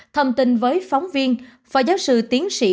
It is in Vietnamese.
thông tin với phóng viên phó giáo sư tiến sĩ